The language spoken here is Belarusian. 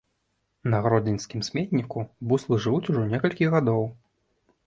На гродзенскім сметніку буслы жывуць ужо некалькі гадоў.